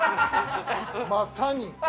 まさに。